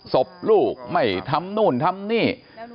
ศพลูกไม่ทำนู่นทำนี่